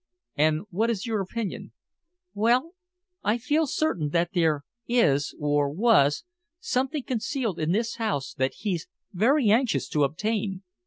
"And what is your opinion?" "Well, I feel certain that there is, or was, something concealed in this house that he's very anxious to obtain.